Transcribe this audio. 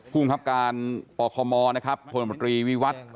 ภูมิครับการปคมโทนมตรีวิวัฒน์